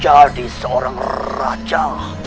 jadi seorang raja